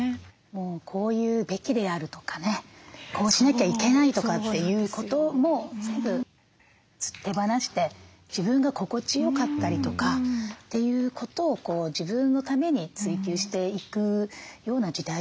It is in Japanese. もうこういうべきであるとかねこうしなきゃいけないとかっていうことも全部手放して自分が心地よかったりとかっていうことを自分のために追求していくような時代なのかな。